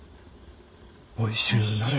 おいしゅうなれ。